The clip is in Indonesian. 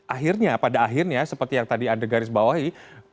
akhirnya pada akhirnya seperti yang tadi anda garis bawahi